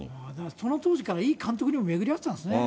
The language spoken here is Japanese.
その当時からいい監督にも巡り合ってたんですね。